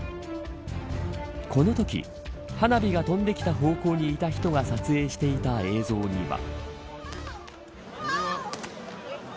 このとき、花火が飛んできた方向にいた人が撮影していた映像には。